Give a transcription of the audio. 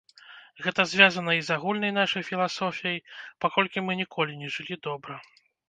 Гэта звязана і з агульнай нашай філасофіяй, паколькі мы ніколі не жылі добра.